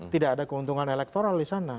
tidak ada keuntungan elektoral disana